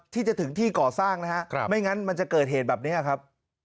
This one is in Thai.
ที่จะถึงที่ก่อสร้างนะฮะไม่งั้นมันจะเกิดเหตุแบบนี้ครับ